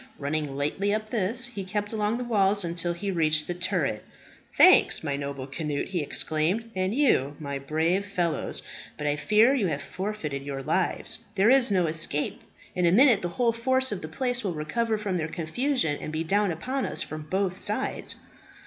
Running lightly up this, he kept along the wall until he reached the turret. "Thanks, my noble Cnut!" he exclaimed, "and you, my brave fellows. But I fear you have forfeited your lives. There is no escape. In a minute the whole force of the place will recover from their confusion, and be down upon us from both sides."